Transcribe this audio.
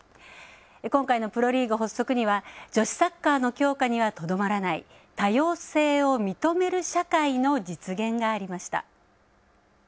今回のプロリーグ発足には女子サッカーの強化にはとどまらない、多様性を認める社会の実現がありました。